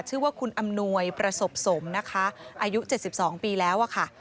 ชื่อว่าคุณอำนวยประสบสมนะคะอายุ๗๒ปีแล้วอะค่ะ